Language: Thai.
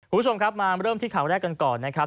คุณผู้ชมครับมาเริ่มที่ข่าวแรกกันก่อนนะครับ